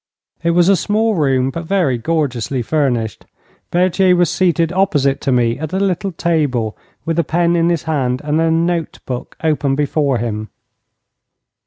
It was a small room, but very gorgeously furnished. Berthier was seated opposite to me at a little table, with a pen in his hand and a note book open before him.